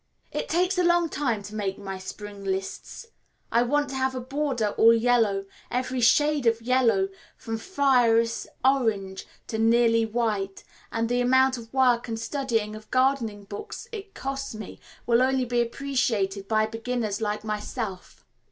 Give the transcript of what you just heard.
It takes a long time to make my spring lists. I want to have a border all yellow, every shade of yellow from fieriest orange to nearly white, and the amount of work and studying of gardening books it costs me will only be appreciated by beginners like myself.